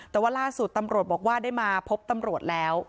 แต่ว่าล่าสุดตำรวจบอกว่าได้มาพบตำรวจแล้ว